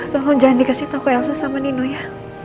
tolong jangan dikasih tau ke elsa sama nino ya